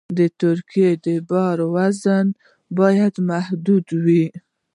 د ټرک د بار وزن باید محدود وي.